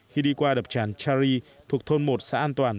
khi đi qua đập tràn chari thuộc thôn một xã an toàn